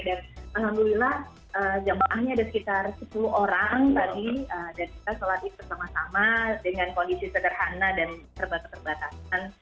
dan alhamdulillah jamuahnya ada sekitar sepuluh orang tadi dan kita shalatin bersama sama dengan kondisi sederhana dan terbatas terbatasan